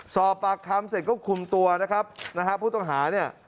สอบปากคำเสร็จก็คุมตัวนะครับนะฮะผู้ต้องหาเนี่ย